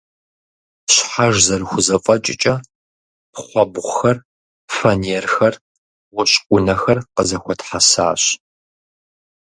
Щхьэж зэрыхузэфӏэкӏкӏэ пхъэбгъухэр, фанерхэр, гъущӏ ӏунэхэр къызэхуэтхьэсащ.